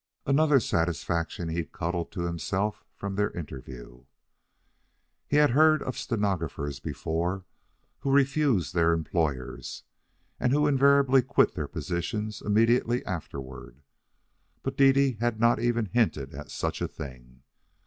Another satisfaction he cuddled to himself from their interview. He had heard of stenographers before, who refused their employers, and who invariably quit their positions immediately afterward. But Dede had not even hinted at such a thing.